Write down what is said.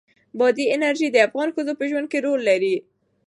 بادي انرژي د افغان ښځو په ژوند کې رول لري.